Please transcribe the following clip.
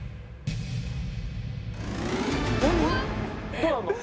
どうなるの？